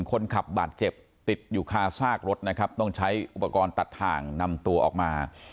คนขับบาดเจ็บติดอยู่คาซากรถนะครับต้องใช้อุปกรณ์ตัดทางนำตัวออกมา